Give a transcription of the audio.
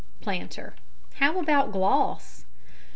PLANTER: How about gloss?